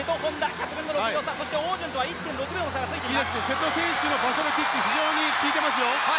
瀬戸選手のバサロキック、非常に効いてますよ。